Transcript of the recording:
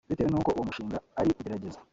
Bitewe n’uko uwo mushinga ari igerageza